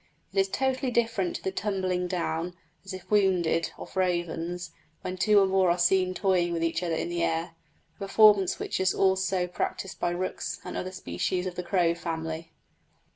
It is totally different to the tumbling down, as if wounded, of ravens when two or more are seen toying with each other in the air a performance which is also practised by rooks and other species of the crow family.